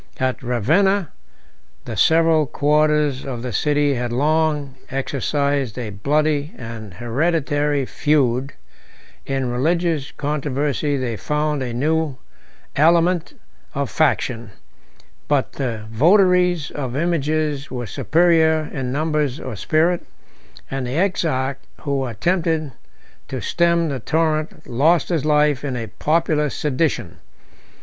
At Ravenna, 39 the several quarters of the city had long exercised a bloody and hereditary feud; in religious controversy they found a new aliment of faction: but the votaries of images were superior in numbers or spirit, and the exarch, who attempted to stem the torrent, lost his life in a popular sedition.